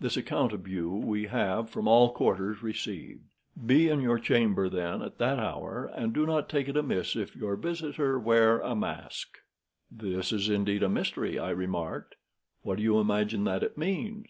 This account of you we have from all quarters received. Be in your chamber, then, at that hour, and do not take it amiss if your visitor wears a mask." "This is indeed a mystery," I remarked. "What do you imagine that it means?"